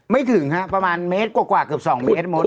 ไม่ถึงค่ะประมาณเมตรกว่ากว่าเกือบสองเมตรหมด